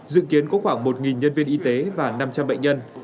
dự kiến có khoảng một nhân viên y tế và năm trăm linh bệnh nhân